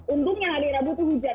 untungnya hari rabu itu hujan